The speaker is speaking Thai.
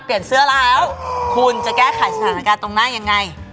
เปลี่ยนเสื้อแล้วคุณจะแก้ไขสถานการณ์ตรงหน้ายังไง